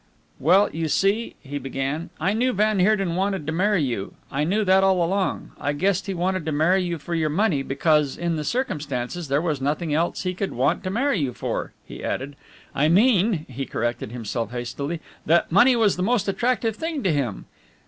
"Well, you see," he began, "I knew van Heerden wanted to marry you. I knew that all along. I guessed he wanted to marry you for your money, because in the circumstances there was nothing else he could want to marry you for," he added. "I mean," he corrected himself hastily, "that money was the most attractive thing to him."